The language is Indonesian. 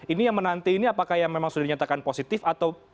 ini yang menanti ini apakah yang memang sudah dinyatakan positif atau